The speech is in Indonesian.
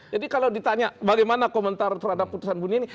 jadi kalau ditanya bagaimana komentar terhadap putusan buniani